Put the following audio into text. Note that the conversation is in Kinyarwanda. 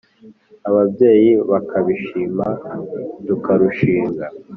Ababyeyi bakabishima tukarushinga.